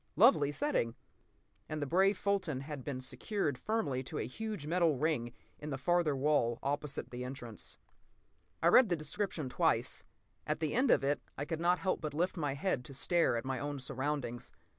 Lovely setting! And the brave Fulton had been secured firmly to a huge metal ring set in the farther wall, opposite the entrance. I read the description twice. At the end of it I could not help but lift my head to stare at my own surroundings.